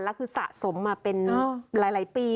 แล้วคือสะสมมาเป็นหลายปี